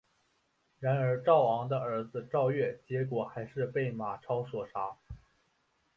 然而赵昂的儿子赵月结果还是被马超所杀。